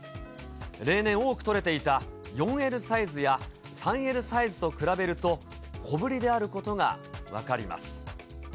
例年多く取れていた４Ｌサイズや３Ｌサイズと比べると、小ぶりであることが分かります。